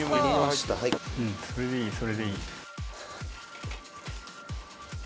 「それでいいそれでいい」